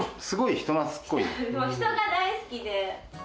人が大好きで。